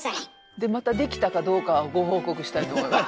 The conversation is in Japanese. でまたできたかどうかはご報告したいと思います。